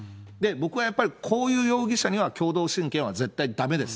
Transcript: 僕はやっぱりこういう容疑者には、共同親権は絶対だめです。